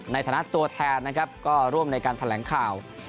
ในฐานะตัวแทนนะครับก็ร่วมในการแถลงข่าว